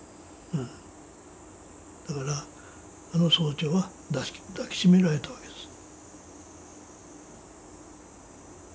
だからあの曹長は抱き締められたわけです。